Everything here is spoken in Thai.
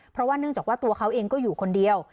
เพราะว่าเนื่องจากว่าตัวเขาเองก็อยู่คนเดียว